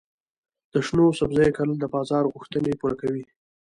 د شنو سبزیو کرل د بازار غوښتنې پوره کوي.